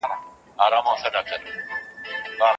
آیا د عقاب وزرونه د باز تر وزرونو پراخ دي؟